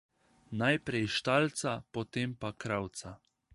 Najprej štalca, potem pa kravca.